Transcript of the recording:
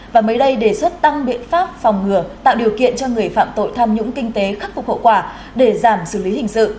và mới đây đề xuất tăng biện pháp phòng ngừa tạo điều kiện cho người phạm tội tham nhũng kinh tế khắc phục hậu quả để giảm xử lý hình sự